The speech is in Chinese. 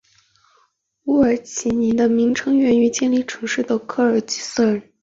乌尔齐尼的名称源于建立城市的科尔基斯人。